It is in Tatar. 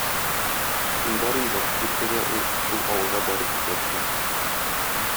Син бар инде, иртәгә ул шул авылга барып җитәрсең.